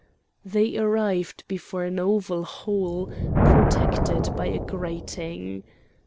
They arrived before an oval hole protected by a grating.